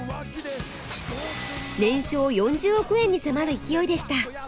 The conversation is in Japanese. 年商４０億円に迫る勢いでした。